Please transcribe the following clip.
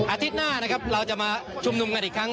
อาทิตย์หน้านะครับเราจะมาชุมนุมกันอีกครั้ง